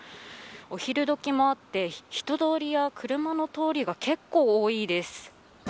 お昼どきもあって人通りや車の通りが結構、多いです。